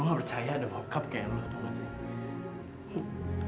gua gak percaya ada bokap kayak lu tuhan sih